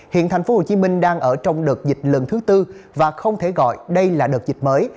hiện tp hcm đang ở trong đợt dịch lần thứ tư và không thể gọi đây là đợt dịch mới